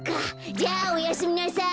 じゃあおやすみなさい。